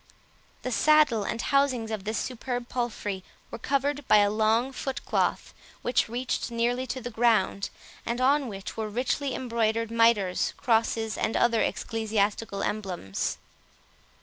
The saddle and housings of this superb palfrey were covered by a long foot cloth, which reached nearly to the ground, and on which were richly embroidered, mitres, crosses, and other ecclesiastical emblems.